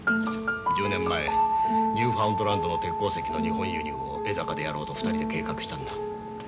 １０年前ニューファンドランドの鉄鉱石の日本輸入を江坂でやろうと２人で計画したんだ。